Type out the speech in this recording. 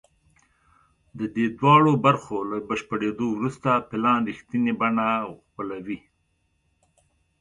د دې دواړو برخو له بشپړېدو وروسته پلان رښتینې بڼه خپلوي